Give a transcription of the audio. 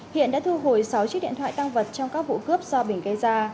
hiện đã thu hồi sáu chiếc điện thoại tăng vật trong các vụ cướp do bình gây ra